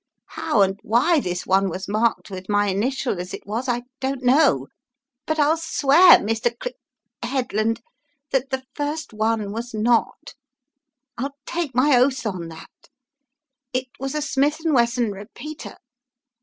How and why this one was marked with my initial as it was, I don't know, but IT1 swear Mr. CI — Headland, that the first one was not. I'll take my oath on that. It was a Smith & Wesson repeater.